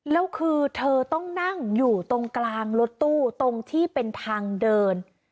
แล้วคือเธอต้องนั่งอยู่ตรงกลางรถตู้ตรงที่เป็นทางเดิน